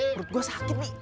perut saya sakit nih